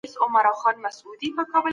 سياستوال بايد تل نوي امکانات ولټوي.